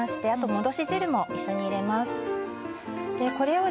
戻し汁を一緒に入れます。